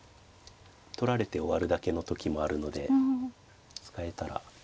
取られて終わるだけの時もあるので使えたら。